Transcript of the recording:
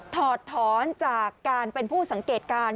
ถอดถอนจากการเป็นผู้สังเกตการณ์